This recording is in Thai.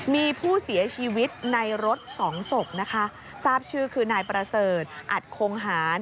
มีผู้เสียชีวิตในรถสองศพนะคะทราบชื่อคือนายประเสริฐอัดคงหาร